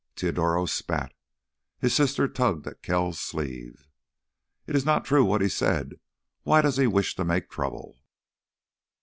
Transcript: Teodoro spat. His sister tugged at Kells' sleeve. "It is not true what he said. Why does he wish to make trouble?"